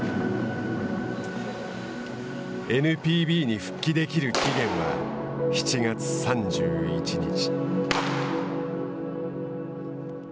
ＮＰＢに復帰できる期限は７月３１日。